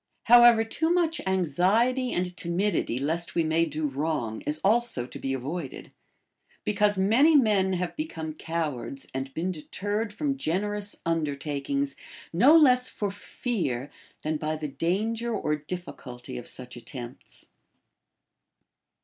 However, too much anxiety and timidity lest we may do wrong is also to be avoided; because many men have become cowards and been deterred from generous undertakings, no less for fear of calumny and detraction than by the danger or difficulty of such attempts.